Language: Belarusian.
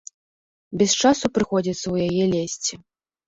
Без часу прыходзіцца ў яе лезці.